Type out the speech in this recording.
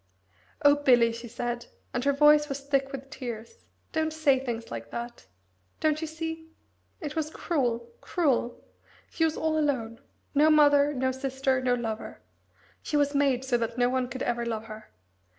"Oh, Bill," she said, and her voice was thick with tears, "don't say things like that. Don't you see? It was cruel, cruel! She was all alone no mother, no sister, no lover. She was made so that no one could ever love her.